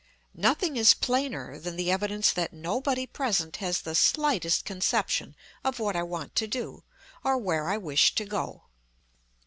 Nothing is plainer than the evidence that nobody present has the slightest conception of what I want to do, or where I wish to go.